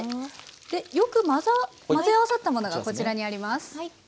でよく混ぜ合わさったものがこちらにあります。